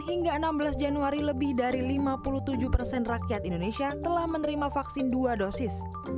hingga enam belas januari lebih dari lima puluh tujuh persen rakyat indonesia telah menerima vaksin dua dosis